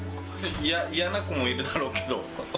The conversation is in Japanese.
嫌な子もいるだろうけど。